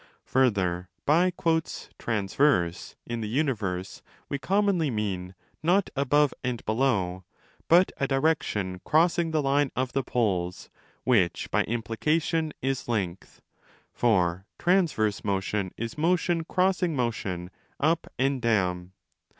Further, by 'transverse' in the universe we commonly mean, not above and below, but a direction crossing the line, of the poles, which, by implication, is length: for transverse motion is motion crossing motion up and down.